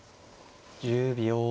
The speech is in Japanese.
１０秒。